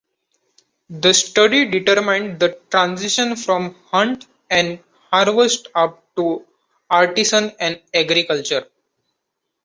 The study determined the transition from hunt and harvest up to artisan and agriculture.